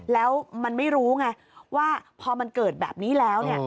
แล้วมันไม่รู้ไงว่าพอมันเกิดแบบนี้แล้ว